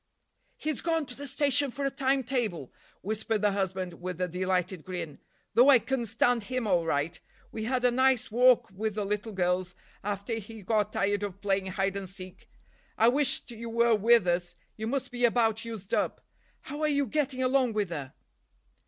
"He's gone to the station for a time table," whispered the husband with a delighted grin: "though I can stand him all right. We had a nice walk with the little girls, after he got tired of playing hide and seek. I wished you were with us. You must be about used up. How are you getting along with her?"